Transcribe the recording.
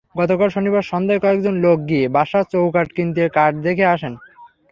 গতকাল শনিবার সন্ধ্যায় কয়েকজন লোক গিয়ে বাসার চৌকাঠ কিনতে কাঠ দেখে আসেন।